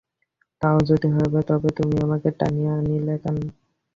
তাই যদি হইবে, তবে তুমি আমাকে টানিয়া আনিলে কেন।